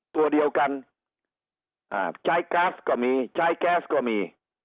ตัวเดียวกันใช้กราฟก็มีใช้แก๊สก็มี